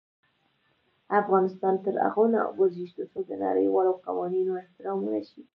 افغانستان تر هغو نه ابادیږي، ترڅو د نړیوالو قوانینو احترام ونشي.